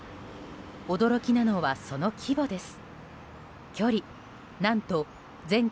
驚きなのは、その規模です。